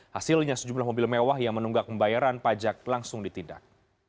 hasilnya sejumlah mobil mewah yang menunggak pembayaran pajak langsung ditindak